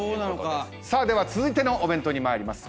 では続いてのお弁当に参ります。